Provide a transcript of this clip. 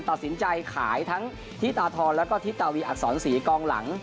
ตัดสินใจขายทั้งที่ตาทรแล้วก็ทิตาวีอักษรศรีกองหลัง